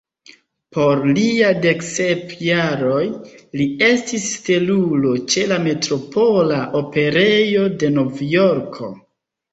Por lia dek sep jaroj, li estis stelulo ĉe la Metropola Operejo de Novjorko.